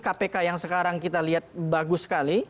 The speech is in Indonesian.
kpk yang sekarang kita lihat bagus sekali